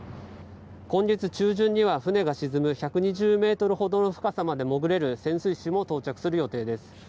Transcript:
今月中旬には船が沈む１２０ｍほどまで潜れる潜水士も到着する予定です。